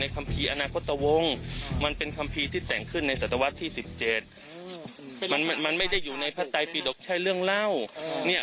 คนตำรวจตรีนิพพานิจเจริญ